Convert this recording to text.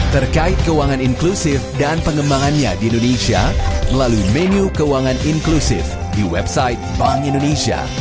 terkait keuangan inklusif dan pengembangannya di indonesia melalui menu keuangan inklusif di website bank indonesia